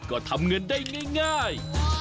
ก็ทำเงินได้ง่าย